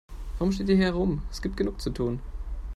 Warum steht ihr hier herum, es gibt genug zu tun.